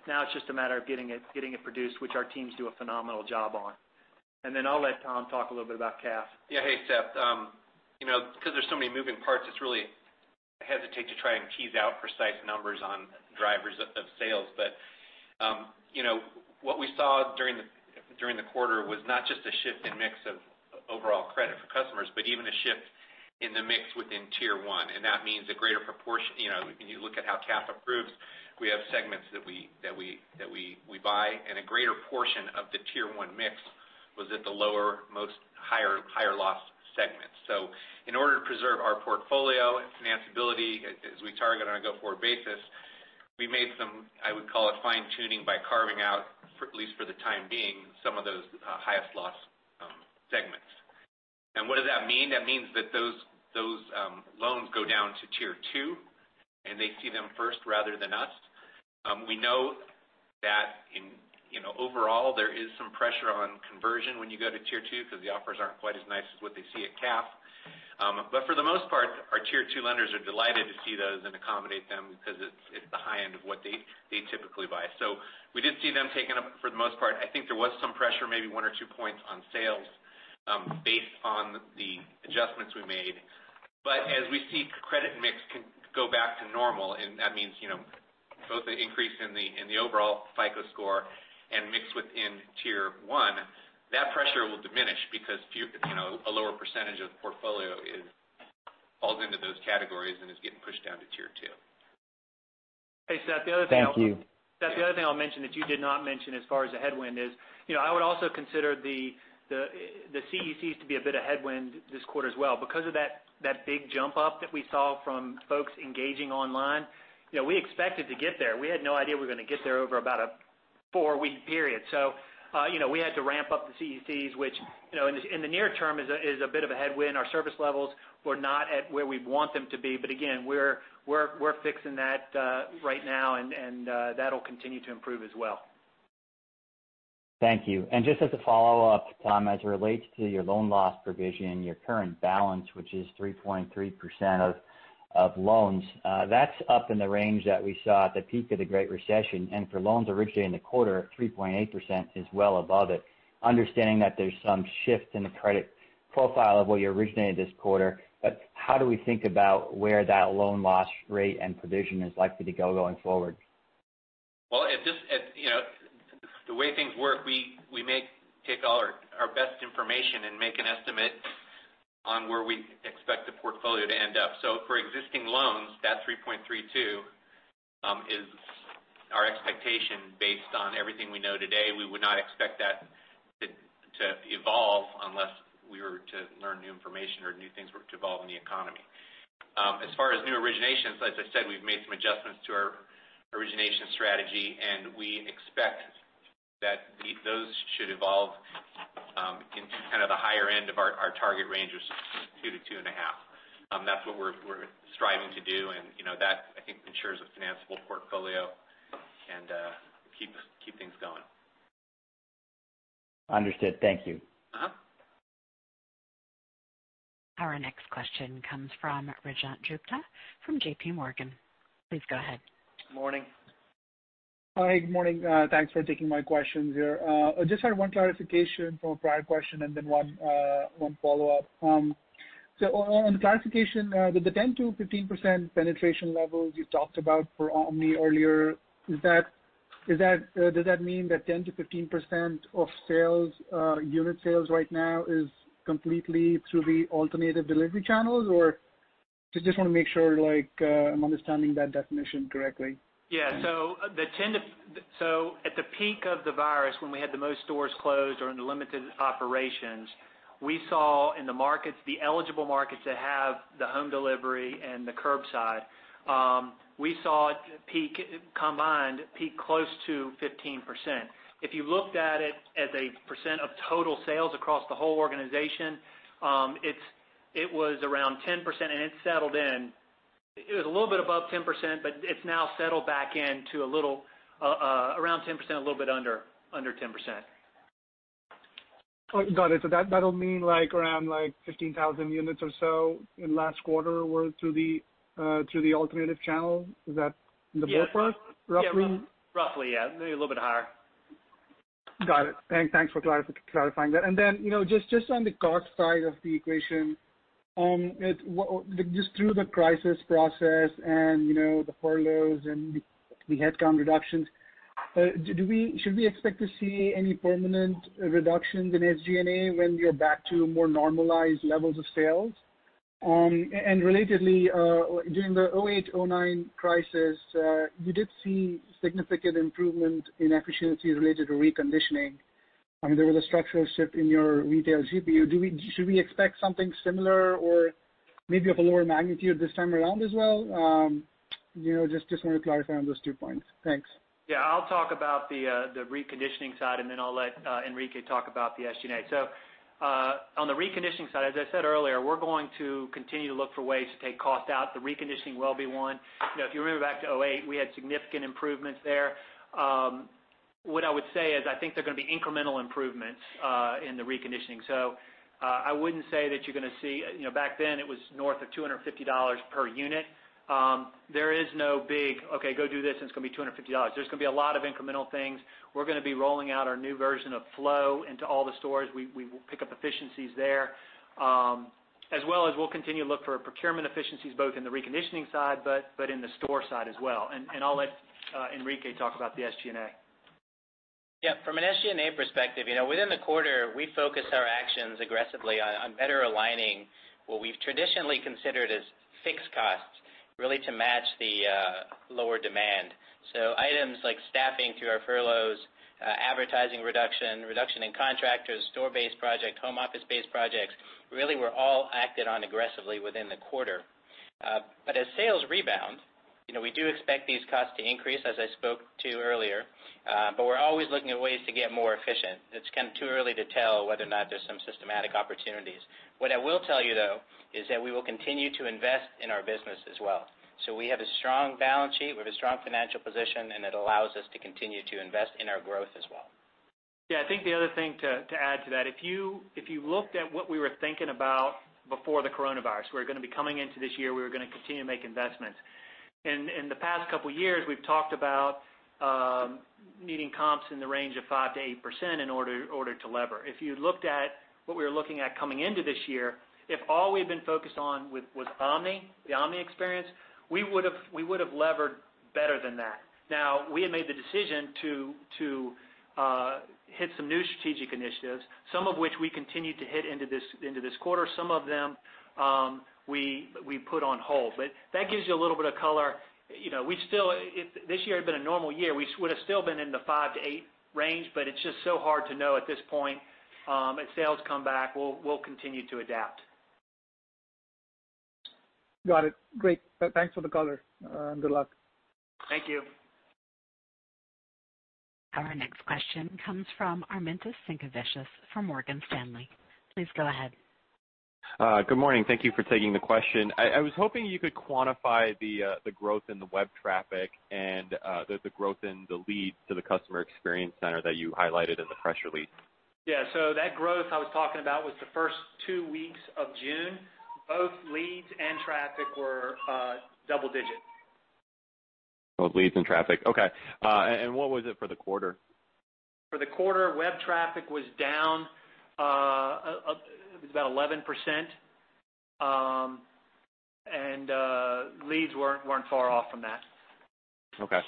Now it's just a matter of getting it produced, which our teams do a phenomenal job on. Then I'll let Tom talk a little bit about CAF. Yeah. Hey, Seth. There's so many moving parts, it's really, hesitate to try and tease out precise numbers on drivers of sales. What we saw during the quarter was not just a shift in mix of overall credit for customers, but even a shift in the mix within Tier 1. That means a greater proportion. When you look at how CAF approves, we have segments that we buy, and a greater portion of the Tier 1 mix was at the lower, most higher-loss segments. In order to preserve our portfolio and financeability as we target on a go-forward basis, we made some, I would call it, fine-tuning by carving out, at least for the time being, some of those highest-loss segments. What does that mean? That means that those loans go down to Tier 2, and they see them first rather than us. We know that overall, there is some pressure on conversion when you go to Tier 2 because the offers aren't quite as nice as what they see at CAF. For the most part, our Tier 2 lenders are delighted to see those and accommodate them because it's the high end of what they typically buy. We did see them taking up for the most part. I think there was some pressure, maybe one or two points on sales, based on the adjustments we made. As we see credit mix go back to normal, and that means both an increase in the overall FICO score and mix within Tier 1, that pressure will diminish because a lower percentage of the portfolio is, falls into those categories and is getting pushed down to Tier 2. Hey, Seth, the other thing. Thank you. Seth, the other thing I'll mention that you did not mention as far as the headwind is, I would also consider the CECs to be a bit of headwind this quarter as well. Because of that big jump up that we saw from folks engaging online, we expected to get there. We had no idea we're going to get there over about a four-week period. We had to ramp up the CECs, which in the near term is a bit of a headwind. Our service levels were not at where we'd want them to be. Again, we're fixing that right now, and that'll continue to improve as well. Thank you. Just as a follow-up, Tom, as it relates to your loan loss provision, your current balance, which is 3.3% of loans, that's up in the range that we saw at the peak of the Great Recession. For loans originated in the quarter, 3.8% is well above it. Understanding that there's some shift in the credit profile of what you originated this quarter, but how do we think about where that loan loss rate and provision is likely to go going forward? Well, the way things work, we may take all our best information and make an estimate on where we expect the portfolio to end up. For existing loans, that 3.32% is our expectation based on everything we know today. We would not expect that to evolve unless we were to learn new information or new things were to evolve in the economy. As far as new originations, as I said, we've made some adjustments to our origination strategy, and we expect that those should evolve in kind of the higher end of our target range of 2%-2.5%. That's what we're striving to do, and that, I think, ensures a financeable portfolio and keep things going. Understood. Thank you. Our next question comes from Rajat Gupta from JPMorgan. Please go ahead. Morning. Hi. Good morning. Thanks for taking my questions here. I just had one clarification from a prior question and then one follow-up. On the clarification, the 10%-15% penetration levels you talked about for omni earlier, does that mean that 10%-15% of unit sales right now is completely through the alternative delivery channels or, I just want to make sure like I'm understanding that definition correctly. Yeah. At the peak of the virus, when we had the most stores closed or in limited operations, we saw in the eligible markets that have the home delivery and the curbside, we saw it combined peak close to 15%. If you looked at it as a percent of total sales across the whole organization, it was around 10%, and it's settled in. It was a little bit above 10%, but it's now settled back in to a little around 10%, a little bit under 10%. Oh, got it. That'll mean like around like 15,000 units or so in last quarter were through the alternative channel? Is that the ballpark, roughly? Yeah. Roughly, yeah. Maybe a little bit higher. Got it. Thanks for clarifying that. Then just on the cost side of the equation, just through the crisis process and the furloughs and the headcount reductions, should we expect to see any permanent reductions in SG&A when we are back to more normalized levels of sales? Relatedly, during the 2008, 2009 crisis, you did see significant improvement in efficiencies related to reconditioning. There was a structural shift in your retail GPU. Should we expect something similar or maybe of a lower magnitude this time around as well? Just want to clarify on those two points. Thanks. Yeah. I'll talk about the reconditioning side, then I'll let Enrique talk about the SG&A. On the reconditioning side, as I said earlier, we're going to continue to look for ways to take cost out. The reconditioning will be one. If you remember back to 2008, we had significant improvements there. What I would say is, I think there are going to be incremental improvements in the reconditioning. I wouldn't say that you're going to see. Back then it was north of $250 per unit. There is no big, "Okay, go do this, and it's going to be $250." There's going to be a lot of incremental things. We're going to be rolling out our new version of Flow into all the stores. We will pick up efficiencies there, as well as we'll continue to look for procurement efficiencies, both in the reconditioning side, but in the store side as well. I'll let Enrique talk about the SG&A. Yeah. From an SG&A perspective, within the quarter, we focused our actions aggressively on better aligning what we've traditionally considered as fixed costs, really to match the lower demand. Items like staffing through our furloughs, advertising reduction in contractors, store-based project, home office-based projects, really were all acted on aggressively within the quarter. As sales rebound, we do expect these costs to increase, as I spoke to earlier. We're always looking at ways to get more efficient. It's kind of too early to tell whether or not there's some systematic opportunities. What I will tell you, though, is that we will continue to invest in our business as well. We have a strong balance sheet, we have a strong financial position, and it allows us to continue to invest in our growth as well. Yeah. I think the other thing to add to that, if you looked at what we were thinking about before the coronavirus, we were going to be coming into this year, we were going to continue to make investments. In the past couple of years, we've talked about needing comps in the range of 5%-8% in order to lever. If you looked at what we were looking at coming into this year, if all we had been focused on was omni, the omni experience, we would've levered better than that. Now, we had made the decision to hit some new strategic initiatives, some of which we continued to hit into this quarter, some of them we put on hold. That gives you a little bit of color. We still, if this year had been a normal year, we would've still been in the five to eight range, but it's just so hard to know at this point. As sales come back, we'll continue to adapt. Got it. Great. Thanks for the color, and good luck. Thank you. Our next question comes from Armintas Sinkevicius from Morgan Stanley. Please go ahead. Good morning. Thank you for taking the question. I was hoping you could quantify the growth in the web traffic and the growth in the leads to the Customer Experience Center that you highlighted in the press release. Yeah. That growth I was talking about was the first two weeks of June. Both leads and traffic were double-digit. Both leads and traffic. Okay. What was it for the quarter? For the quarter, web traffic was down about 11%, and leads weren't far off from that. Okay.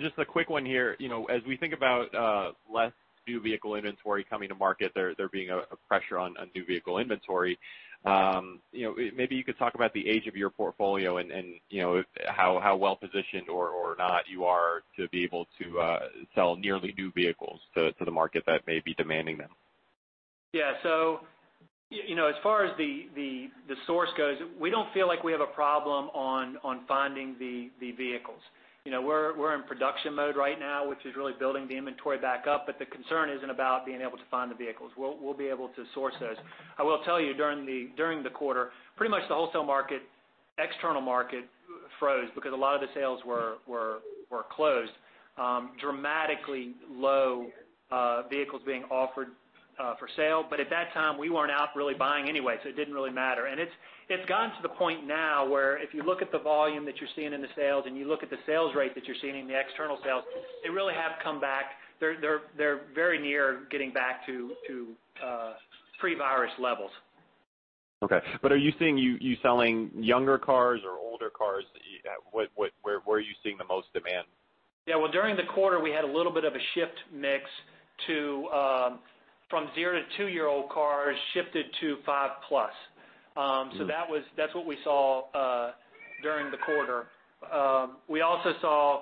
Just a quick one here. As we think about less new vehicle inventory coming to market, there being a pressure on new vehicle inventory, maybe you could talk about the age of your portfolio and how well positioned or not you are to be able to sell nearly new vehicles to the market that may be demanding them. Yeah. As far as the source goes, we don't feel like we have a problem on finding the vehicles. We're in production mode right now, which is really building the inventory back up. The concern isn't about being able to find the vehicles. We'll be able to source those. I will tell you, during the quarter, pretty much the wholesale market, external market froze because a lot of the sales were closed. Dramatically low vehicles being offered for sale. At that time, we weren't out really buying anyway, so it didn't really matter. It's gotten to the point now where if you look at the volume that you're seeing in the sales and you look at the sales rate that you're seeing in the external sales, they really have come back. They're very near getting back to pre-virus levels. Okay. But are you seeing, you selling younger cars or older cars? Where are you seeing the most demand? Well, during the quarter, we had a little bit of a shift mix to, from zero, two-year-old cars shifted to 5+. That's what we saw during the quarter. We also saw,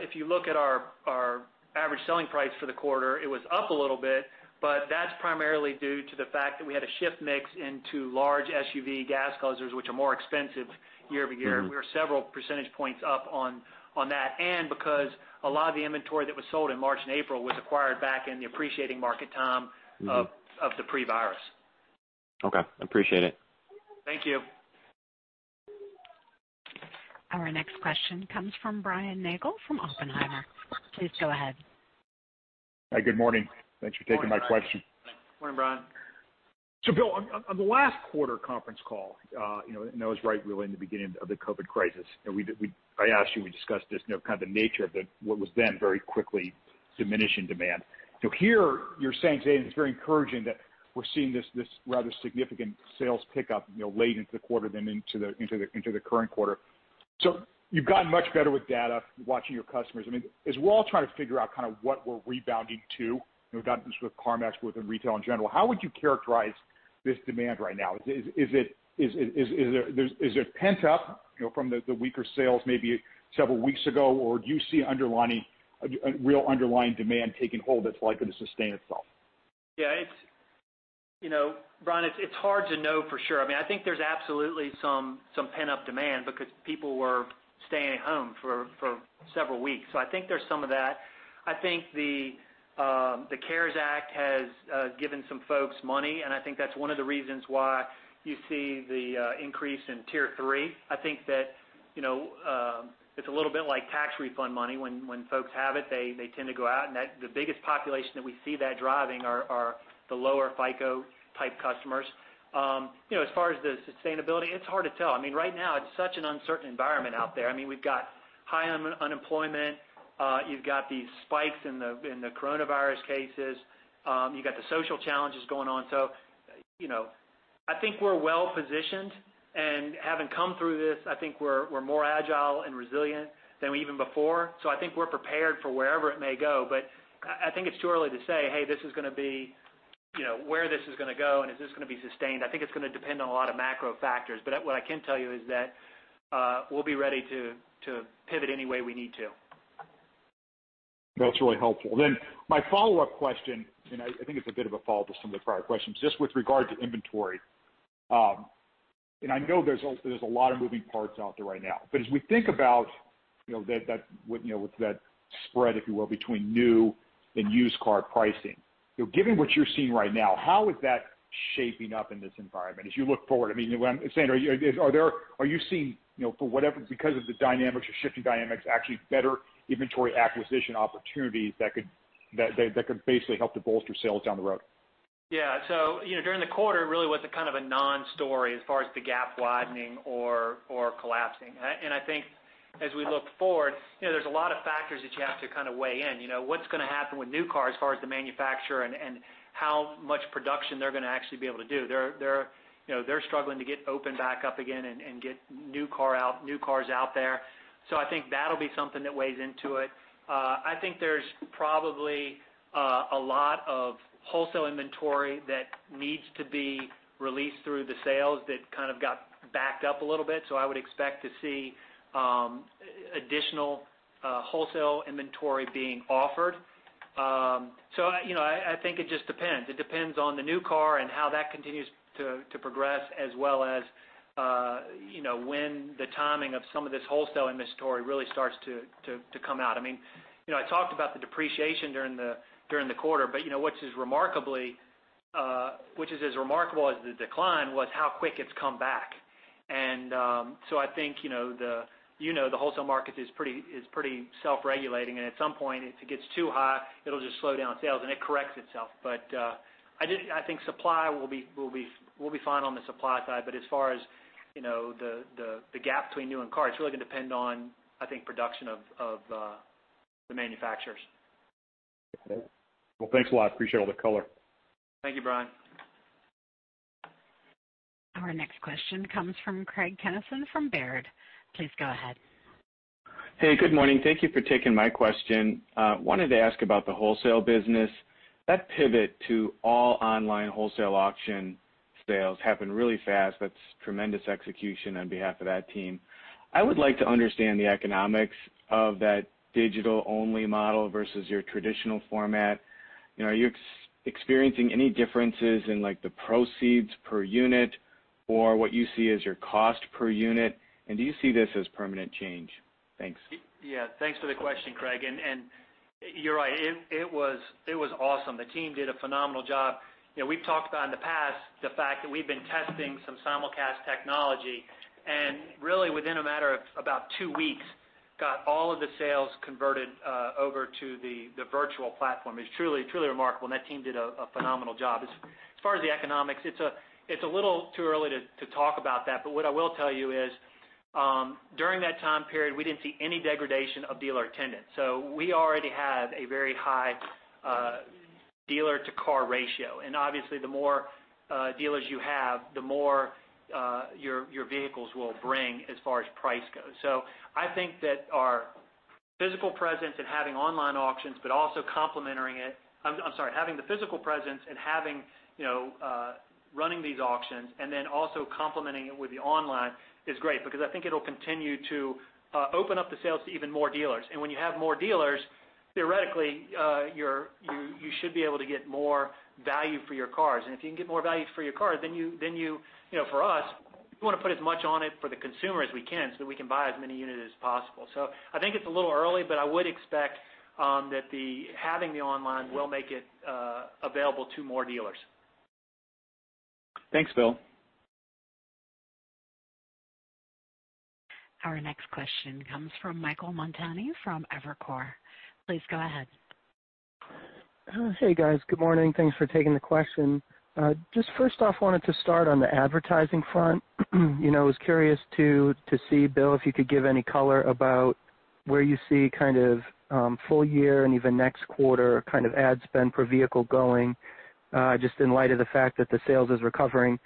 if you look at our average selling price for the quarter, it was up a little bit, but that's primarily due to the fact that we had a shift mix into large SUV gas guzzlers, which are more expensive year-over-year. We were several percentage points up on that. Because a lot of the inventory that was sold in March and April was acquired back in the appreciating market time of the pre-virus. Okay. Appreciate it. Thank you. Our next question comes from Brian Nagel from Oppenheimer. Please go ahead. Hi. Good morning. Thanks for taking my question. Morning, Brian. Bill, on the last quarter conference call, and that was right really in the beginning of the COVID crisis. I asked you, we discussed this, kind of the nature of what was then very quickly diminishing demand. Here you're saying today that it's very encouraging that we're seeing this rather significant sales pickup late into the quarter, then into the current quarter. You've gotten much better with data, watching your customers. As we're all trying to figure out what we're rebounding to, we've done this with CarMax, with retail in general, how would you characterize this demand right now? Is it pent up from the weaker sales maybe several weeks ago, or do you see a real underlying demand taking hold that's likely to sustain itself? Yeah. Brian, it's hard to know for sure. I think there's absolutely some pent-up demand because people were staying home for several weeks. I think there's some of that. I think the CARES Act has given some folks money, and I think that's one of the reasons why you see the increase in Tier 3. I think that it's a little bit like tax refund money. When folks have it, they tend to go out, and the biggest population that we see that driving are the lower FICO type customers. As far as the sustainability, it's hard to tell. I mean, right now it's such an uncertain environment out there. We've got high unemployment. You've got these spikes in the coronavirus cases. You got the social challenges going on. I think we're well-positioned and having come through this, I think we're more agile and resilient than we even before. I think we're prepared for wherever it may go. I think it's too early to say, "Hey, this is going to be where this is going to go, and is this going to be sustained?" I think it's going to depend on a lot of macro factors. What I can tell you is that we'll be ready to pivot any way we need to. That's really helpful. Then my follow-up question, and I think it's a bit of a follow-up to some of the prior questions, just with regard to inventory. I know there's a lot of moving parts out there right now. As we think about that spread, if you will, between new and used car pricing. Given what you're seeing right now, how is that shaping up in this environment? As you look forward, are you seeing, for whatever, because of the dynamics, shifting dynamics, actually better inventory acquisition opportunities that could basically help to bolster sales down the road? Yeah. During the quarter, it really was a non-story as far as the gap widening or collapsing. I think as we look forward, there's a lot of factors that you have to weigh in. What's going to happen with new cars as far as the manufacturer, and how much production they're going to actually be able to do. They're struggling to get open back up again and get new cars out there. I think that'll be something that weighs into it. I think there's probably a lot of wholesale inventory that needs to be released through the sales that got backed up a little bit. I would expect to see additional wholesale inventory being offered. I think it just depends. It depends on the new car and how that continues to progress as well as when the timing of some of this wholesale inventory really starts to come out. I talked about the depreciation during the quarter, but what's as remarkably, which is remarkable as the decline was how quick it's come back. I think, the wholesale market is pretty self-regulating, and at some point, if it gets too high, it'll just slow down sales, and it corrects itself. I think we'll be fine on the supply side. As far as the gap between new and cars, it's really going to depend on, I think, production of the manufacturers. Okay. Well, thanks a lot. Appreciate all the color. Thank you, Brian. Our next question comes from Craig Kennison from Baird. Please go ahead. Hey, good morning. Thank you for taking my question. Wanted to ask about the wholesale business. That pivot to all online wholesale auction sales happened really fast. That's tremendous execution on behalf of that team. I would like to understand the economics of that digital-only model versus your traditional format. Are you experiencing any differences in the proceeds per unit or what you see as your cost per unit, and do you see this as permanent change? Thanks. Yeah. Thanks for the question, Craig. You're right. It was awesome. The team did a phenomenal job. We've talked about in the past the fact that we've been testing some simulcast technology, and really within a matter of about two weeks, got all of the sales converted over to the virtual platform. It's truly remarkable, and that team did a phenomenal job. As far as the economics, it's a little too early to talk about that. What I will tell you is, during that time period, we didn't see any degradation of dealer attendance. We already have a very high dealer-to-car ratio, and obviously the more dealers you have, the more your vehicles will bring as far as price goes. I think that our physical presence and having online auctions, but also complementing it. I'm sorry, having the physical presence and running these auctions, then also complementing it with the online is great because I think it'll continue to open up the sales to even more dealers. When you have more dealers, theoretically, you should be able to get more value for your cars. If you can get more value for your cars, then you, for us, we want to put as much on it for the consumer as we can so we can buy as many units as possible. I think it's a little early, but I would expect that having the online will make it available to more dealers. Thanks, Bill. Our next question comes from Michael Montani from Evercore. Please go ahead. Hey, guys. Good morning. Thanks for taking the question. Just first off, wanted to start on the advertising front. I was curious to see, Bill, if you could give any color about where you see full year and even next quarter ad spend per vehicle going, just in light of the fact that the sales is recovering.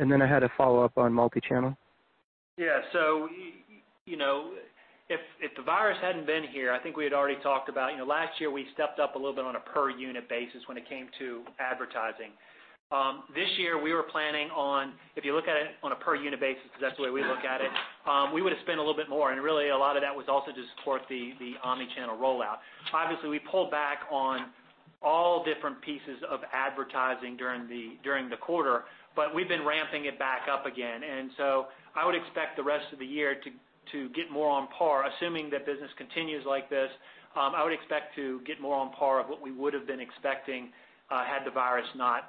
I had a follow-up on multi-channel. Yeah. If the virus hadn't been here, I think we had already talked about, last year, we stepped up a little bit on a per unit basis when it came to advertising. This year, we were planning on, if you look at it on a per unit basis, because that's the way we look at it, we would've spent a little bit more, and really a lot of that was also to support the omni-channel rollout. Obviously, we pulled back on all different pieces of advertising during the quarter, but we've been ramping it back up again. I would expect the rest of the year to get more on par. Assuming that business continues like this, I would expect to get more on par of what we would've been expecting had the virus not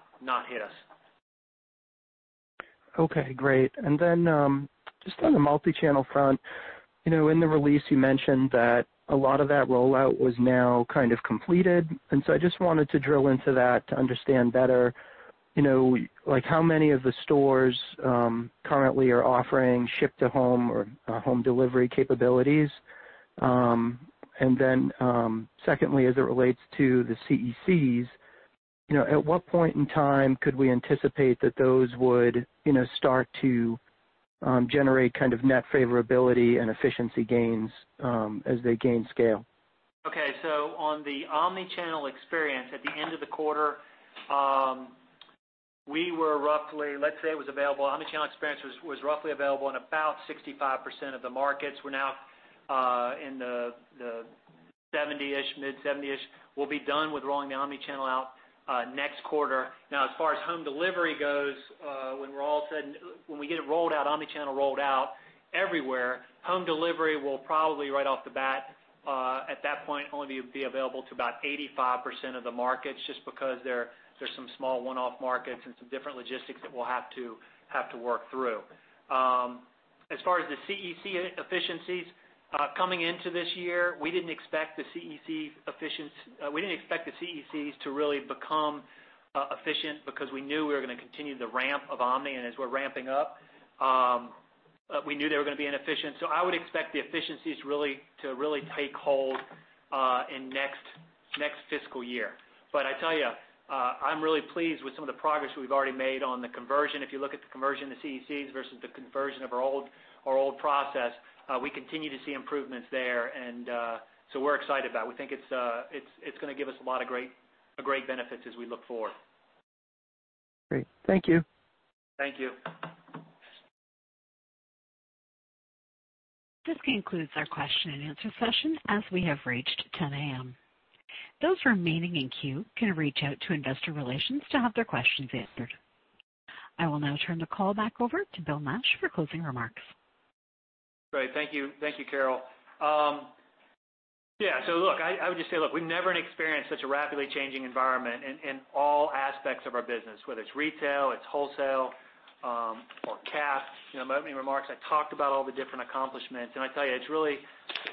hit us. Okay, great. Just on the multi-channel front, in the release you mentioned that a lot of that rollout was now kind of completed. I just wanted to drill into that to understand better how many of the stores currently are offering ship to home or home delivery capabilities. Secondly, as it relates to the CECs, at what point in time could we anticipate that those would start to generate net favorability and efficiency gains as they gain scale? Okay. On the omni-channel experience, at the end of the quarter, we were roughly, let's say was available omni-channel experience was roughly available in about 65% of the markets. We're now in the mid 70-ish. We'll be done with rolling the omni-channel out next quarter. As far as home delivery goes, when we get it rolled out, omni-channel rolled out everywhere, home delivery will probably right off the bat at that point only be available to about 85% of the markets, just because there's some small one-off markets and some different logistics that we'll have to work through. As far as the CEC efficiencies coming into this year, we didn't expect the CECs to really become efficient because we knew we were going to continue the ramp of omni. As we're ramping up, we knew they were going to be inefficient. I would expect the efficiencies to really take hold in next fiscal year. I tell you, I'm really pleased with some of the progress we've already made on the conversion. If you look at the conversion of the CECs versus the conversion of our old process, we continue to see improvements there. We're excited about it. We think it's going to give us a lot of great benefits as we look forward. Great. Thank you. Thank you. This concludes our question and answer session as we have reached 10:00 A.M. Those remaining in queue can reach out to investor relations to have their questions answered. I will now turn the call back over to Bill Nash for closing remarks. Great. Thank you. Thank you, Carol. Yeah. Look, I would just say, look, we've never experienced such a rapidly changing environment in all aspects of our business, whether it's retail, it's wholesale, or CAF. In my opening remarks, I talked about all the different accomplishments, and I tell you, it's really,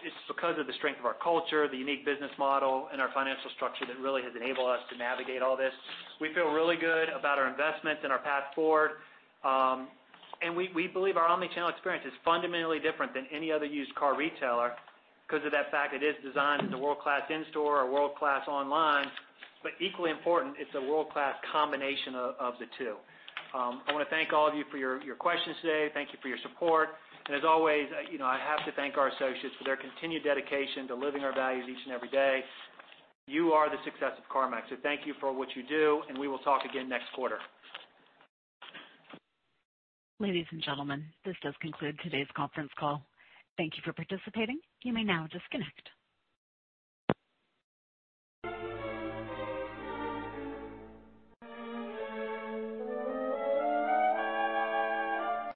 it's because of the strength of our culture, the unique business model, and our financial structure that really has enabled us to navigate all this. We feel really good about our investments and our path forward. We believe our omni-channel experience is fundamentally different than any other used car retailer because of that fact it is designed as a world-class in-store or world-class online. Equally important, it's a world-class combination of the two. I want to thank all of you for your questions today. Thank you for your support. As always I have to thank our associates for their continued dedication to living our values each and every day. You are the success of CarMax. Thank you for what you do, and we will talk again next quarter. Ladies and gentlemen, this does conclude today's conference call. Thank you for participating. You may now disconnect.